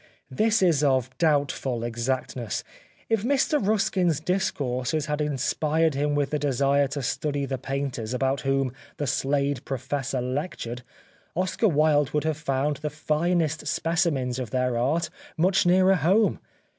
This is of doubtful exactness. If Mr Ruskin's dis courses had inspired him with the desire to study the painters about whom the Slade Professor lectured, Oscar Wilde would have found the finest specimens of their art much nearer home.